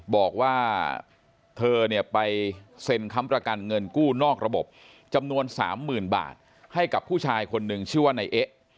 บอกว่าเธอเนี่ยไปเซ็นค้ำประกันเงินกู้นอกระบบจำนวน๓๐๐๐บาทให้กับผู้ชายคนหนึ่งชื่อว่านายเอ๊ะ